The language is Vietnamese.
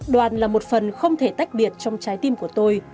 đoàn là một phần không thể tách biệt trong trái tim của tôi